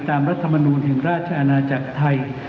ตามรัฐมนุนเก่งราชอาณาจักรไทย